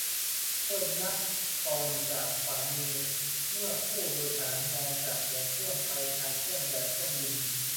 - เริ่มนับตอนจากขวามือเมื่อผู้โดยสารมองจากหัวเครื่องไปท้ายเครื่อง แบบเครื่องบิน